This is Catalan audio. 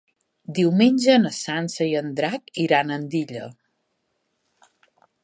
Diumenge na Sança i en Drac iran a Andilla.